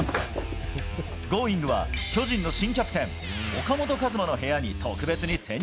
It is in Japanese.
Ｇｏｉｎｇ！は、巨人の新キャプテン、岡本和真の部屋に特別に潜入。